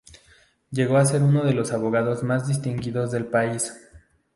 Llegó a ser uno de los abogados más distinguidos del país.